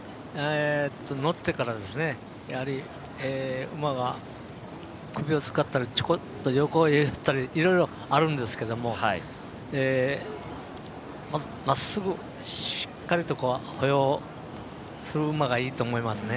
乗ってからやはり馬が首を使ったりちょこっと横にやったりいろいろあるんですけどもまっすぐ、しっかりと歩様する馬がいいと思います。